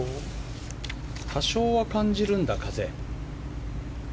多少は感じるんだ、風。